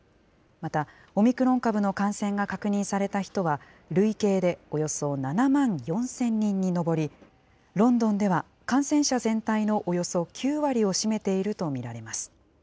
また、オミクロン株の感染が確認された人は、累計でおよそ７万４０００人に上り、ロンドンでは感染者全体のおよそ９割を占めていると見られます。